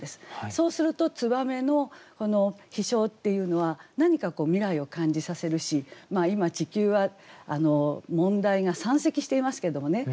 そうすると燕のこの飛翔っていうのは何かこう未来を感じさせるし今地球は問題が山積していますけどもね。